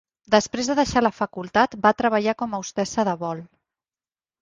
Després de deixar la facultat, va treballar com a hostessa de vol.